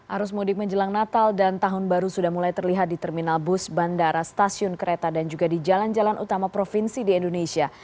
arus mudik menjelang natal dan tahun baru sudah mulai terlihat di terminal bus bandara stasiun kereta dan juga di jalan jalan utama provinsi di indonesia